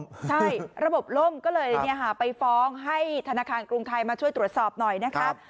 ใช่ระบบล่มก็เลยไปฟ้องให้ธนาคารกรุงไทยมาช่วยตรวจสอบหน่อยนะครับ